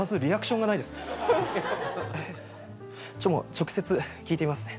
直接聞いてみますね。